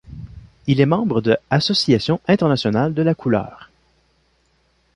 Il est membre de Association internationale de la couleur.